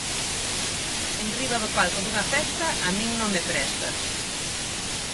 Enriba do palco dunha festa a min non me presta.